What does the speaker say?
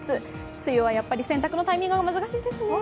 梅雨はやっぱり洗濯のタイミングが難しいですね。